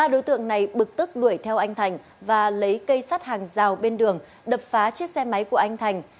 ba đối tượng này bực tức đuổi theo anh thành và lấy cây sắt hàng rào bên đường đập phá chiếc xe máy của anh thành